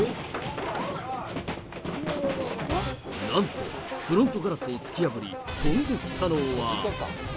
なんと、フロントガラスを突き破り、飛んできたのは。